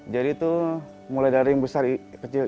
jadi itu mulai dari yang besar kecil